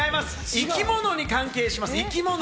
生き物に関係します。